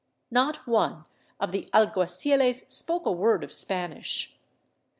Not one of the alguaciles spoke a word of Spanish.